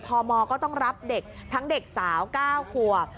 พมก็ต้องรับเด็กทั้งเด็กสาว๙ขวบ